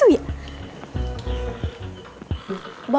aku tuh lagi baja